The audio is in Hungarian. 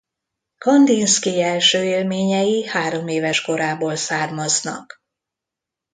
Kandinszkij első élményei hároméves korából származnak.